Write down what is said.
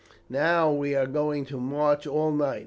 Now, we are going to march all night.